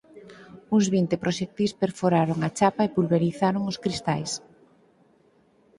Uns vinte proxectís perforaron a chapa e pulverizaron os cristais.